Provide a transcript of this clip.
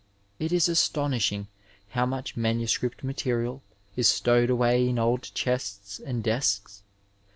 It is astonishing how much manuscript material is stowed away m old chests and desks.